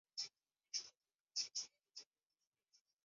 所收的贿赂品由扣押机关依法予以没收上缴国库。